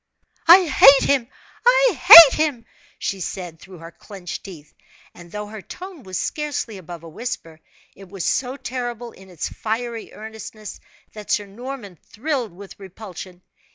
"I hate him! I hate him!" she said, through her clenched teeth and though her tone was scarcely above a whisper, it was so terrible in its fiery earnestness that Sir Norman thrilled with repulsion.